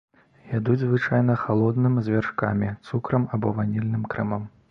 Ядуць звычайна халодным з вяршкамі, цукрам або ванільным крэмам.